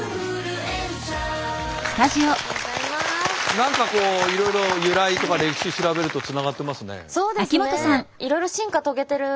何かこういろいろ由来とか歴史調べるとつながってますね。